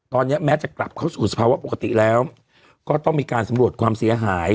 ตอนนี้แม้จะกลับเข้าสู่สภาวะปกติแล้วก็ต้องมีการสำรวจความเสียหาย